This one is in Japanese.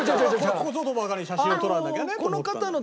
ここぞとばかりに写真を撮らなきゃねと思った。